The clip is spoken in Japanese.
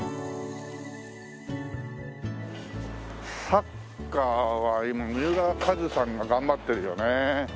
サッカーは今三浦カズさんが頑張ってるよね。